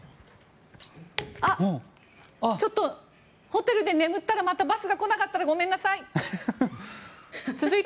ホテルで眠っててまたバスが来なかったらごめんなさい。